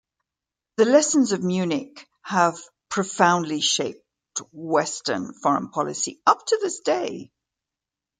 The Lessons of Munich have profoundly shaped Western foreign policy up to this day.